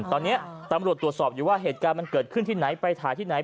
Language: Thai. ตอนนี้ตำรวจตรวจสอบอยู่ว่าเหตุการณ์มันเกิดขึ้นที่ไหนไปถ่ายที่ไหน